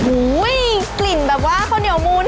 โอ้ยยยกลิ่นแบบว่าข้าวเหนียวหมูน